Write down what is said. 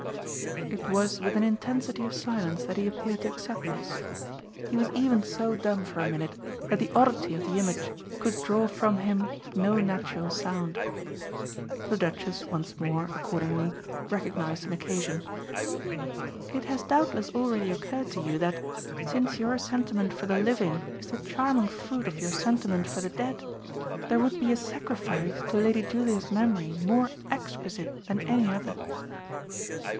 It was with an intensity of silence that he appeared to accept this; he was even so dumb for a minute that the oddity of the image could draw from him no natural sound. The Duchess once more, accordingly, recognised an occasion. "It has doubtless already occurred to you that, since your sentiment for the living is the charming fruit of your sentiment for the dead, there would be a sacrifice to Lady Julia's memory more exquisite than any other."